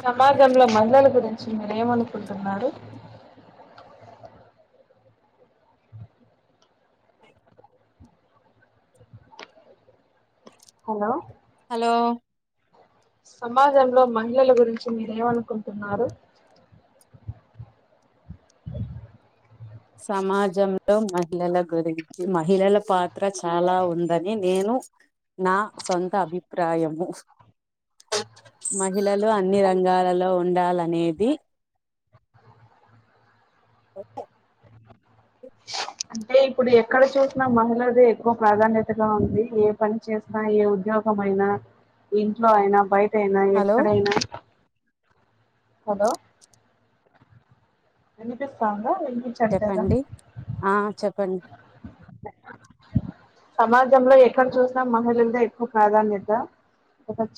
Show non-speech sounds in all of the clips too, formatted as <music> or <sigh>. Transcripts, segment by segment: సమాజంలో మహిళల గురిన్ మీరేమనుకుంటున్నారు హలో హలో సమాజంలో మహిళల గురించి మీరేమనుకుంటున్నారు సమాజంలో మహిళల గురించి మహిళల పాత్ర చాలా ఉందని నేను నా సొంత అభిప్రాయము మ మహిళలు అన్ని రంగాలలో ఉండాలనేది అంటే ఇప్పుడు ఎక్కడ చూసినా మహిళది ఎక్కువ ప్రాధాన్యతగా ఉంది ఏ పని చేసినా ఏ ఉద్యోగ గమయినా ఇంట్లో అయినా బయట అయినా హలో ఎక్కడైనా హలో ఇనిపిస్తాందా వినిపించట్లేదా చెప్పండి ఆ చెప్పండి సమాజంలో ఎక్కడ చూసినా మహిళలదె ఎక్కువ ప్రాధాన్యత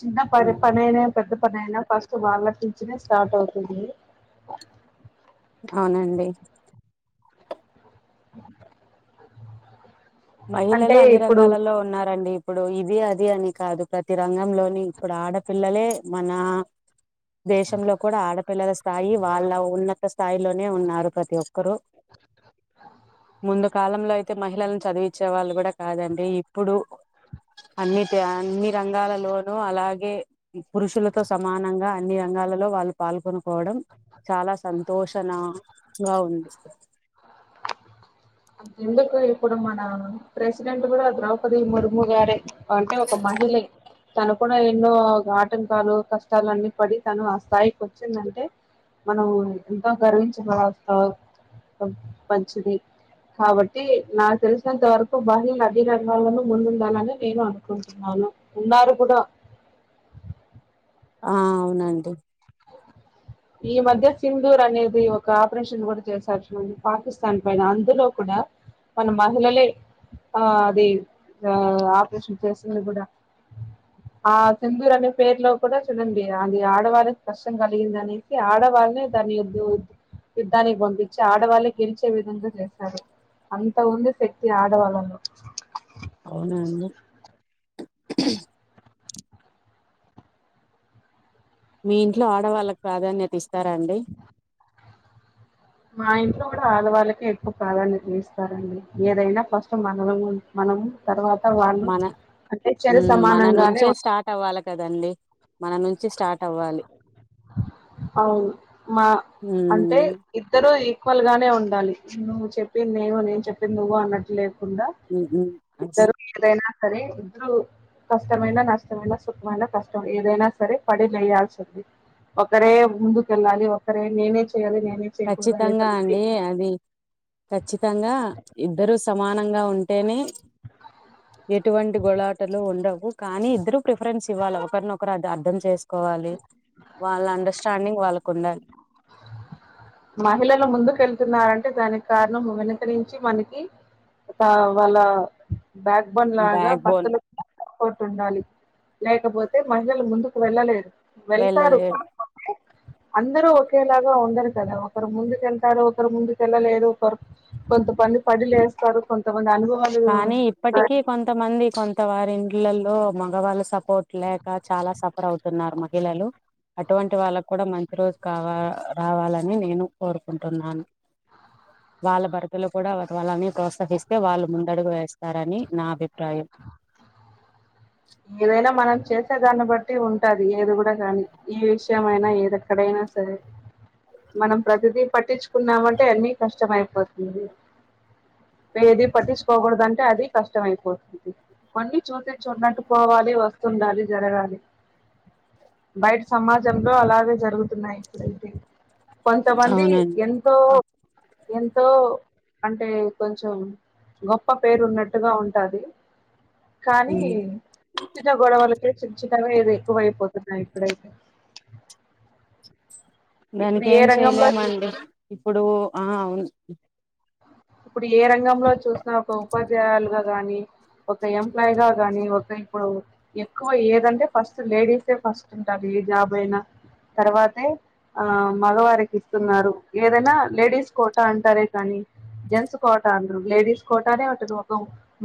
చిన్న పరి పణైన పెద్ద పని అయినా ఫస్ట్ వాళ్ళ నుంచనే స్టార్ట్ అవుతుంది అవునండి అంటే మహిళలు అన్ని ఇప్పుడు రంగాలలో ఉన్నారండి ఇప్పుడు ఇది అది అని కాదు ప్రతి రంగంలోని ఇప్పుడు ఆడపిల్లలే మనా దేశంలో కూడా ఆడపిల్లల స్త్ స్థాయి వాళ్ళ ఉన్నత స్థాయిలోనే ఉన్నారు ప్రతి ఒక్కరు ముందు కాలంలో అయితే మహిళలను చదివచ్చేవాళ్ళు గూడా కాదండి ఇప్పుడు అన్నిటి అన్ని రంగాలలోనూ అలాగే పురుషులతో సమానంగా అన్ని రంగా లో వాళ్ళు పాల్గొను పోవడం చాలా సంతోషనంగా ఉంది అ ఎందుకు ఇప్పుడు మన ప్రెసిడెంట్ కగూడా ద్రౌపది ముర్ము గారే అంటే ఒక మహిలే తను కూడా ఎన్నో ఆటంకాలు కష్టాలన్ని పడి తను ఆ స్థాయికి వచ్చిందంటే మనం ఎంతో గర్వించ మంచిది కాబట్టి నాకు తెలిసినంత వరకు బహి నదీ రంగాలను ముందుండాలని నేను అనుకుంటున్నాను ఉన్నారు గుడా ఆ అవునండి ఈ మధ్య సింధూర్ అనేది ఒక ఆపరేషన్ కూడా చేసారు పాకిస్తాన్ పైన అందులో కుడా వాళ్ళు మహిళలే ఆ అది ఆపరేషన్ చేసింది కూడా ఆ సిధూర్ అనే పేరులో కూడా చూడండి అది ఆడవారికి కష్టం కలిగిందని ఆడవాళ్ళనే దానిద్ యుద్ధానికి పొంపించి ఆడవాళ్ళ గెలిచే విధంగా చేశారు అంత వంది శక్తి ఆడవళ్ళ అవునండి <inaudible> మీ ఇంట్లో ఆడవాళ్ళకి ప్రాధాన్యత ఇస్తారా అండి మా ఇంట్లో కూడా ఆళ్డవాళ్ళకే ఎక్కువ ప్రాధాన్యత ఇస్తారండి ఏదైనా ఫస్ట్ మన మనం తర్వాత వాళ్ళు మన అంటే చరి ఉమ్, మన సమానంగానే నుంచే ఉంట స్టార్ట్ అవ్వాలి కదండి మన నుంచి స్టార్ట్ అవ్వాలి అవును మా అంటే ఉమ్, ఇద్దరు ఎక్వలుగానే ఉండాలి నువ్వు చెప్పింది నేను చెప్పింది నువ్వు అన్నట్లేదు కుండా ఉమ్, ఉమ్, అస్- ఇద్దరు ఏదైనా సరే ఇద్దరు కష్టమైన నష్టమైనా సుఖమైన కష్టం ఏదైనా సరే పడి లేయాల్సింది ఒకరే ముందుకెళ్ళాలి ఒకరే నేనే చేయాలి నేనే చేయకూడదు అనే ఖచ్చితంగా తలకాయ. అండి అది ఖచ్చితంగా ఇద్దరు సమానంగా ఉంటేనే ఎటువంటి గొలాటలు ఉండవు కానీ ఇద్దరుూ ప్రిఫరెన్స్ ఇవ్వాలి ఒకరిన ఒకరు అది అర్థం చేస్త వాలి వాళ్ళ అండర్స్టాండింగ్ వాళ్ళకు ఉండాలి మహిళలు ముందుకు వెళ్తున్నారంటే దానికి కారణం వెనక నుంచి మనకి వాళ్ళ బ్యాక్ బోన్ లాగా బ్యాక్ బోన్ భర్తలు కొట్టు ఉండాలి లేకపోతే మహిళలు ముందుకు వెళ్ళలేదు వెళ్తారు వెళ్ళలేరు కాకపోతే అందరూ ఒకేలాగా ఉండరు కదా ఒకరు ముందుకుెళ్తారు ఒకరు ముందుకెళ్ళలేదు ఒకరు కొంతమంది పడి లే వస్తారు కొంతమంది అనుభ కానీ ఇప్పటికీ కొంతమంది కొంత వారు ఇండ్లలో మగవాళ్ళ సపోర్ట్ లేక చాలా సఫర్ అవుతున్నారు మహిళలు అటువంటి వాళ్ళకు కూడా మంచి రోజు కావ రావాలని నేను కోరుకుంటున్నాను వాళ్ళ భర్తలో కూడా వాళ్ళని ప్రోత్సహిస్తే వాళ్ళు ము తడుగు వేస్తారని నా అభిప్రాయం ఏదైనా మనం చేసే దాన్ని బట్టి ఉంటది ఏది కూడా కానీ ఏ విషయం అయినా ఏది ఎక్కడైనా సరే మనం ప్రతిదీ పట్టించుకున్నామంటే అన్ని కష్టంమయిపోతుంది ఏది పట్టించుకోకూడదు అంటే అది కష్టంమయిపోతుంది కొన్ని చూసి చూడినట్టు వస్తుండాలి జరగాలి బయట సమాజంలో అలాగే జరుగుతున్నాయి ఇక్కడైతే కొంతమంది అవునండి ఎంతో ఎంతో అంటే కొంచెం గొప్ప పేరు ఉన్నట్టుగా ఉంటది కానీ ఉమ్. చి చిన్న గొడవలకి చి చిన్నగా ఎక్కువైపోతున్నాయి ఇప్పుడైతే ఇప్పుడు దానికి ఏ ఏం రంగంలో చేయలేమండి చూసిన ఇప్పుడు ఆ అవును ఇప్పుడు ఏ రంగంలో చూసిన ఒక ఉపాధ్యాయులుగా గాని ఒక ఎంప్లాయ గా గాని ఒక ఇప్పుడు ఎక్కువ ఏదంటే ఫస్ట్ లేడీసే ఫస్ట్ ఉంటది ఏ జాబ్ అయినా తర్వాతే ఆ మగవారికి ఇస్తున్నారు ఏదైనా లేడీస్ కోట అంటారే కానీ జెన్స్ కోట అన్నారు లేడీస్ కోటనే ఉంటది ఒక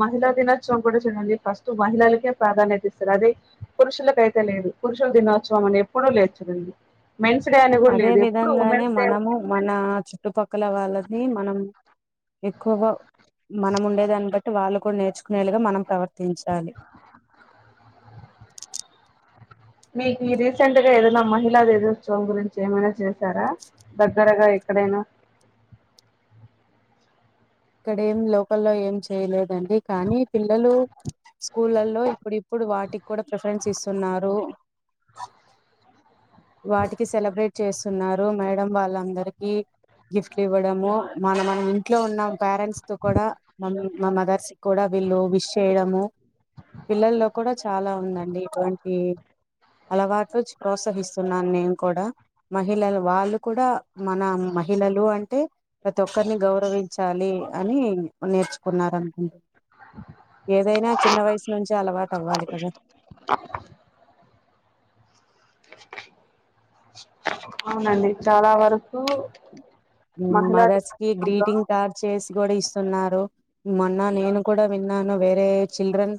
మహిళా దినోత్సవం కూడా చడండి ఫస్ట్ మహిళలకే ప్రాధాన్యత ఇస్తారు అదే పురుషులకైతే లేదు పురుషుల దినోత్సవం అని ఎప్పుడూ లేర్చనుంది అదే విధంగానే మనము మన చుట్టుపక్కల వాళ్ళది మనం ఎక్కువగా మనముండేదాన్ని బట్టి వాళ్ళు కూడా నేర్చుకునేలుగా మనం ప్రవర్తించాలి మీకు ఈ రీసెంట్ గా ఏదైనా మహిళా దేశోత్సవం గురించి ఏమైనా చేసారా దగ్గరగా ఎక్కడైనా ఇక్కడ ఏం లోకల్లో ఏం చేయలేదండి. కానీ పిల్లలు స్కూళ్లలో ఇప్పుడు ఇప్పుడు వాటికి కూడా ప్రిఫరెన్స్ ఇస్తున్నారు. వాటికి సెలబ్రేట్ చేస్ న్నారు. మేడం వాళ్ళందరికి గిఫ్ట్లు ఇవ్వడము, మన మనం ఇంట్లో ఉన్న పేరెంట్స్ తో కూడా మమ్మి మా మదర్స్ కూడా వీళ్ళు విష్ చేయడము. పిల్లల్లో కూడా చాలా ఉందండి ఇటువంటి అలవాట్లు చ ప్రోత్సహిస్ మహిళలు వాళ్ళు కూడా మన మహిళలు అంటే ప్రతి ఒక్కరిని గౌరవించాలి అని నేర్చుకున్నారు అనుకుం ఏదైనా చిన్న వయసు నుంచె అలవాటు అవ్వాలి కదా. అవునండి చాలా వరకు మహిళా మదర్స్ కి దినోత్సవంలో గ్రీటింగ్ కార్డ్ చేసి కూడా ఇస్తున్నారు. మొన్న నేను కూడా విన్నాను వేరే చిల్డ్రన్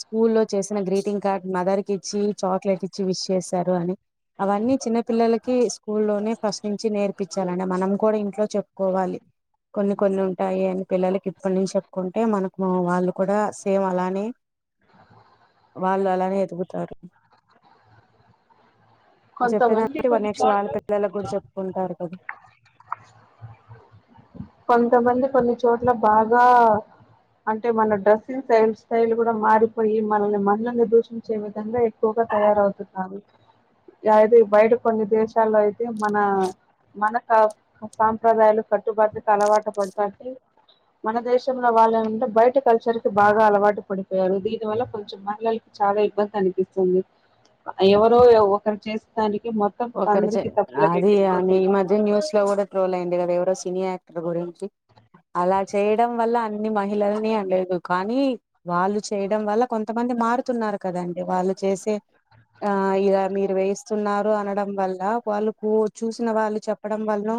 స్కూల్లో చేసిన గ్రీటింగ్ కార్డ్ మదర్ కి ఇచ్చి చాక్లెట్ ఇచ్చి విష్ చేసారు అని. అవన్నీ చిన్న పిల్లలకి స్కూల్లోనే ఫస్ట్ నుంచి నేర్పించి చాలండి మనం కూడా ఇంట్లో చెప్పుకోవాలి. కొన్ని కొన్ని ఉంటాయి అని పిల్లలకి ఇప్పటి నుంచి చెప్పుకుంటే మనకు వాళ్ళు కూడా సేమ్ అలానే వాళ్ళు అలానే ఎదుగుతారు. కొంతమంది చెప్పేదానిబట్టి కొన్ని నెక్ట్స్ వాళ్ళ చోట్ల పిల్లలకు కూడా చెప్పుకుంటారు కదా. కొంతమంది కొన్ని చోట్ల బాగా అంటే మన డ్రెస్సింగ్ స్టైల్ స్టైల్ కూడా మారిపోయి మనల్ని మహిళల్ని దూషించే విధంగా ఎక్కువగా తయారవుతున్నారు యా ఇది బయట కొన్ని దేశాల్లో అయి తే మన మన కా సాంప్రదాయాలు కట్టుబట్లాకి అలవాటు పడతాంటే మన దేశంలో వాళ్ళనంటే బయట కల్చర్ కి బాగా అలవాటు పడిపోయారు దీని వల్ల కొంచెం మహిళలు చాలా ఇబ్బంది అనిపిస్తుంది. ఎవరో ఒకరు చేసినా దానికి మొత్తం ఒకరు చే అందరికి తప్పులు అది అయ్యేటట్టు అని అవుతుంది ఈ మధ్య న్యూస్ లో కూడా ట్రోల్ అయింది కదా ఎవరో సినీ యాక్టర్ గురించి. అలా చేయడం వల్ల అన్ని మహిళలని అనలేదు. కానీ వాళ్ళు చేయడం వల్ల కొంతమంది మారుతున్నారు కదండి. వాళ్ళు చేసే ఆ ఇగా మీరు వేయిస్తున్నారు అనడం వల్ల వాళ్ళుకు చూసిన వాళ్ళు చెప్పడం వల్నో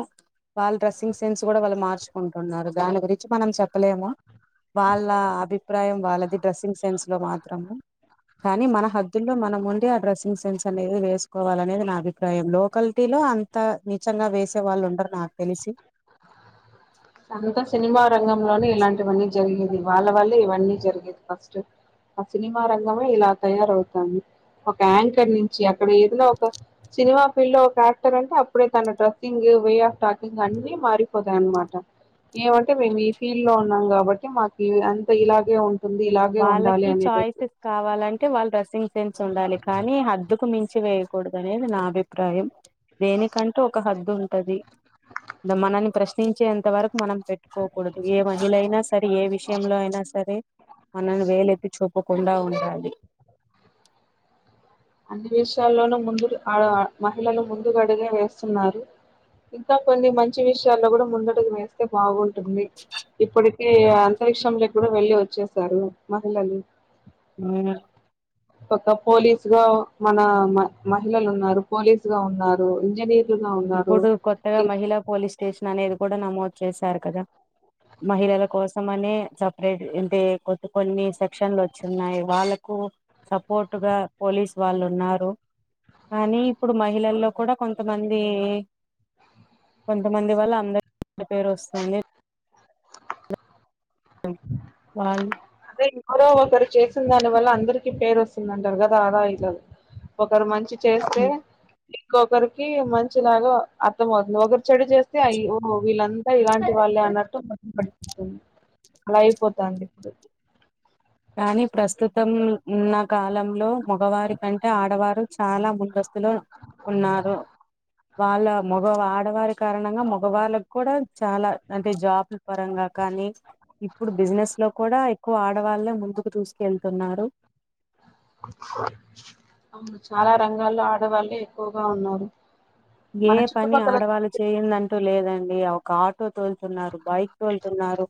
వాళ్ళ డ్రెస్సింగ్ సెన్స్ కూడా వాళ్ళు మార్చుకుంటున్నారు దాని గురించి మనం చెప్పలేమా. వాళ్ళ అభిప్రాయం వాళ్ళది డ్రెస్సింగ్ సెన్స్లో మాత్రము. కానీ మన హద్దుల్లో మనం ఉండి ఆ డ్రెస్సింగ్ సెన్స్ అనేది వేసుకోవాలనేది నా అభి ప్రాయం. లోకల్టీలో అంతా నీచంగా వేసే వాళ్ళు ఉండరు నాకు తెలిసి. అంతా సినిమా రంగంలోనే ఇలాంటివన్నీ జరిగేది. వాళ్ళ వల్లే ఇవన్నీ జరిగేది ఫస్ట్. ఆ సినిమా రంగమే ఇలా తయారవుతంది. ఒక యాంకర్ నుంచి అక్కడ ఏదైనా ఒక సినిమా ఫీల్డ్ లో ఒక యాక్టర్ అంటే అప్పుడే తన dressing the way of talking అన్ని మారిపోతాయి అనమాట. ఏమంటే మేము ఈ ఫీల్డ్ లో ఉన్నాం కాబట్టి మాకి అంత ఇలాగే ఉం వాళ్ళకి చాయిసెస్ కావాలం టే వాళ్ళ డ్రెస్సింగ్ సెన్స్ ఉండాలి. కానీ హద్దుకు మించి వేయకూడదు అనేది నా అభిప్రాయం. దే నికంటూ ఒక హద్దు ఉంటది. మనల్ని ప్రశ్నించేంత వరకు మనం పెట్టుకోకూడదు. ఏ మహిళైనా సరే ఏ విషయంలో అయినా స సరే మనల్ని వేలెత్తి చూపకుండా ఉండాలి. అన్ని విషయాల్లోనూ ముందు ఆ మహిళలు ముందుగడుగే వేస్తున్నారు. ఇంకా కొన్ని మంచి విషయాల్లో కూడా ముందడుగు వేస్తే బాగుం టుంది. ఇప్పడికే అంతరిక్షంలో కూడా వెళ్ళి వచ్చేసారు మహిళలు. మేమే ఒక పోలీసు గా మన మ మహిళలు ఉన్నారు పోలీసు గా ఉన్నారు ఇంజనీర్ ఇప్పుడు కొత్తగా మహిళా పోలీస్ స్టేషన్ అనేది కూడా నమోదు చేశారు కదా మహిళల కోసం అనే సపరేట్ అంటే కొత్త కొన్ని సెక్షన్లు వచ్చిన్నాయి వాళ్ళకు సపోర్ట్ గా పోలీస్ వాళ్ళు ఉన్నారు కానీ ఇప్పుడు మహిళల్లో కూడా కొంతమంది అది కొంతమంది వల్ల అందరికి పేరు వస్తుంది వాల్ అదే ఎవరో ఒకరు చేసిన దాని వల్ల అందరికి పేరు వస్తుందంటారు కదా అలా ఇదు ఒక్కరు మంచి చేస్తే ఇంకొకరికి మంచిలాగా అర్థంమవుతుంది ఒకరు చెడు చేస్తే అ వీళ్ళంతా ఇలాంటి వాళ్ళే అన్నట్టు <unintelligible> పోతుంది అలా అయిపోతాంది ఇప్పుడు కానీ ప్రస్తుతం ఉన్న కాలంలో మగవారి కంటే ఆడవారు చాలా ముందస్తు ఇలా ఉన్నారు వాళ్ళ మగ ఆడవారి కారణంగా మగవాళ్ళకి కూడా చాలా అంటే జాబ్ల పరంగా కానీ ఇప్పుడు బిజినెస్ లో కూడా ఎక్కువ ఆడవాళ్ళే ముందుకు దూసుకెళ్తున్నారు అవును చాలా రంగాల్లో ఆడవాళ్ళు ఎక్కువగా ఉన్నారు ఏ మన పని చుట్టుపక్కల ఆడవాళ్ళు చేయిందంటూ లేదండి అ ఆటో తోలుతున్నారు బైక్ తోలుతున్నారు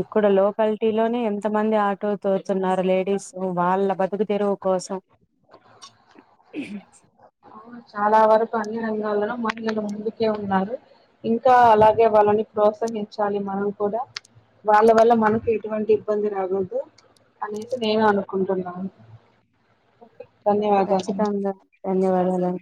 ఇక్కడ లోకాలిటీ లోనే ఎంత మంది ఆటో తోచన్నారు లేడీస్ వాళ్ళ బతుకు తెరువు కో కోసం అవును చాలా వరకు అన్ని రంగాల్లోనూ మహిళలు ముందుకే ఉన్నారు ఇంకా అలాగే వాళ్ళని ప్రోత్సహించాలి మనం కూడా వాళ్ళ వల్ల మనకు ఎటువంటి ఇబ్బంది రాకూడదు అనేసి నేను అనుకుంటున్నాను ధన్యవాదాలండి ఖచ్చితంగా ధన్యవాదాలు